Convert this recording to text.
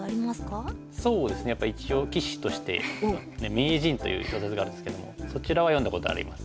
そうですねやっぱり一応棋士として「名人」という小説があるんですけどもそちらは読んだことあります。